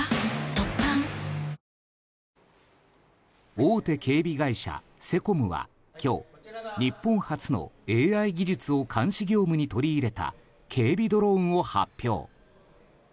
大手警備会社セコムは、今日日本初のＡＩ技術を監視業務に取り入れた警備ドローンを発表。